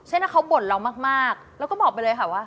ให้เขาบ่นเรามากแล้วก็บอกไปเลยค่ะว่า